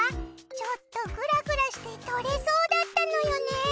ちょっとぐらぐらして取れそうだったのよね。